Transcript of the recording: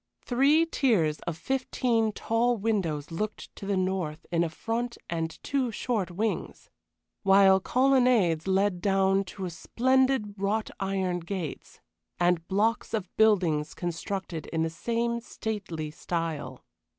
Three tiers of fifteen tall windows looked to the north in a front and two short wings, while colonnades led down to splendid wrought iron gates, and blocks of buildings constructed in the same stately style.